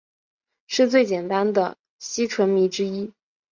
是最简单的烯醇醚之一。